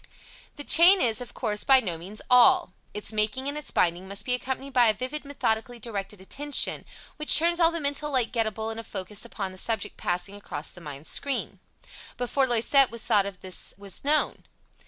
The chain is, of course, by no means all. Its making and its binding must be accompanied by a vivid, methodically directed attention, which turns all the mental light gettable in a focus upon the subject passing across the mind's screen. Before Loisette was thought of this was known.